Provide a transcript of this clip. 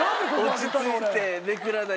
落ち着いてめくらないと。